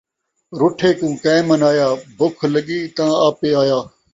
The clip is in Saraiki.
رُٹھے کوں کئیں منایا ، بکھ لڳی تاں آپے آیا